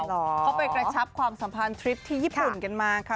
เขาไปกระชับความสัมพันธ์ทริปที่ญี่ปุ่นกันมาค่ะ